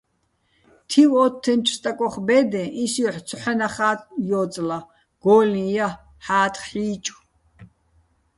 თივ-ო́თთენჩო̆ სტაკოხ ბე́დეჼ ის ჲოჰ̦ ცოჰ̦ანახა́ ჲოწლა, გო́ლლიჼ ჲა, ჰ̦ა́თხ ჰ̦ი́ჭო̆.